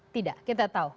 tidak kita tahu